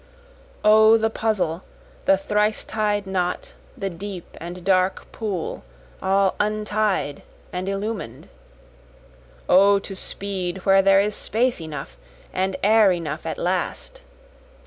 O the puzzle, the thrice tied knot, the deep and dark pool, all untied and illumin'd! O to speed where there is space enough and air enough at last!